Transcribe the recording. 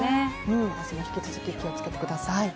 明日も引き続きお気をつけください。